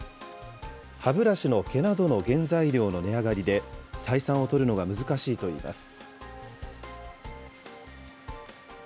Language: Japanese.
歯ブラシの毛などの原材料の値上がりで、採算を取るのが難しいといいます。